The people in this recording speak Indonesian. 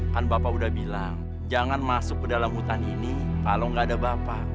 kan bapak udah bilang jangan masuk ke dalam hutan ini kalau nggak ada bapak